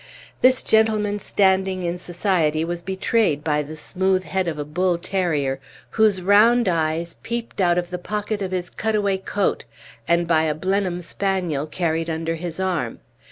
This gentleman's standing in society was betrayed by the smooth head of a bull terrier, whose round eyes peeped out of the pocket of his cut away coat, and by a Blenheim spaniel carried under his arm.